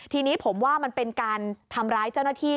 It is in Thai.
ทีนี้ผมว่ามันเป็นการทำร้ายเจ้าหน้าที่